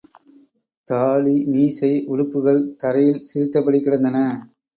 தாடி மீசை, உடுப்புகள் தரையில் சிரித்தபடி கிடந்தன.